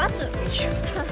いや。